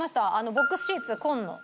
ボックスシーツ紺の。